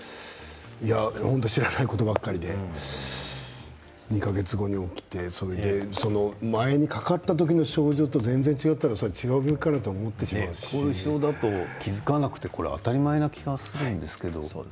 本当、知らないことばかりで２か月後に起きて前にかかった時の症状と全然違ったら違う病気かなと思ってしまうし後遺症と気付かなくて当たり前な気がするんですけど。